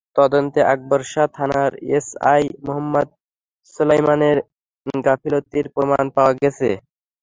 তদন্তে আকবর শাহ থানার এসআই মোহাম্মদ সোলায়মানের গাফিলতির প্রমাণ পাওয়া গেছে।